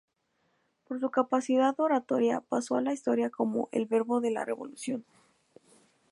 Por su capacidad oratoria, pasó a la historia como "El Verbo de la revolución".